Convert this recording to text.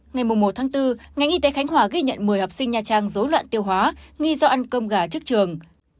ngày một bốn ngành y tế khánh hòa ghi nhận một mươi học sinh nha trang dối loạn tiêu hóa nghi do ăn cơm gà trước trường